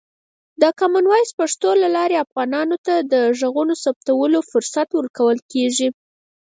د کامن وایس پښتو له لارې، افغانانو ته د غږونو ثبتولو فرصت ورکول کېږي.